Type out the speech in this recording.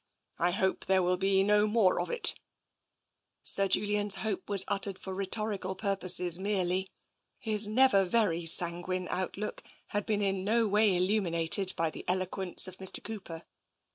I hope there will be no more of it" Sir Julian's hope was utjered for rhetorical pur poses merely. His never very sanguine outlook had been in no way illuminated by the eloquence of Mr. Cooper.